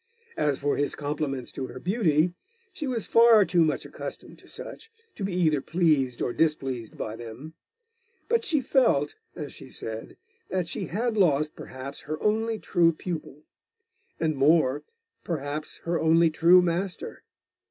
As for his compliments to her beauty, she was far too much accustomed to such, to be either pleased or displeased by them. But she felt, as she said, that she had lost perhaps her only true pupil; and more perhaps her only true master.